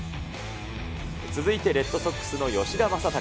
続いてレッドソックスの吉田正尚。